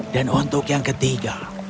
dan untuk yang ketiga